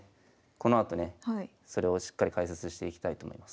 このあとねそれをしっかり解説していきたいと思います。